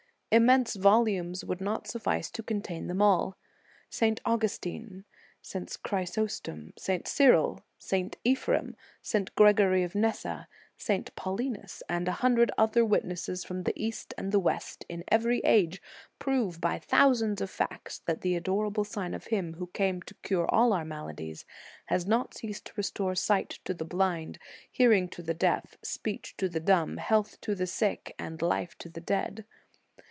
Immense volumes would not suffice to contain them all. St. Augustin, St. Chrysos tom, St. Cyril, St. Ephraim, St. Gregory of Nyssa, St. Paulinus, and a hundred other witnesses from the East and the West, in every age, prove by thousands of facts that the adorable Sign of Him who came to cure all our maladies, has not ceased to restore * See his Life. In the Nineteenth Century. 175 sight to the blind, hearing to the deaf, speech to the dumb, health to the sick, and life to the dead.